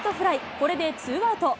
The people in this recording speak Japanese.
これでツーアウト。